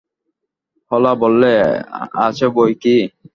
হলা বললে, আছে বৈকি।